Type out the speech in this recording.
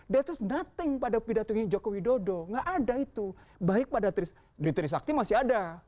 that is nothing pada pidato ini joko widodo nggak ada itu baik pada tris trisakti masih ada